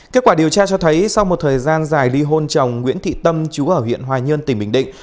kết quả điều tra cho thấy sau một thời gian dài ly hôn chồng nguyễn thị tâm chú ở huyện hoài nhơn tỉnh bình định